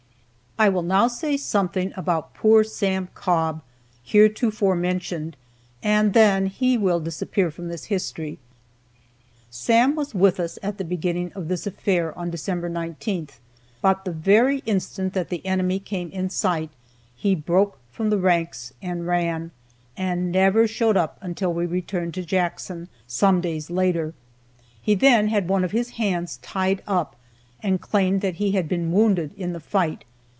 I will now say something about poor Sam Cobb, heretofore mentioned, and then he will disappear from this history. Sam was with us at the beginning of this affair on December 19th, but the very instant that the enemy came in sight he broke from the ranks and ran, and never showed up until we returned to Jackson some days later. He then had one of his hands tied up, and claimed that he had been wounded in the fight.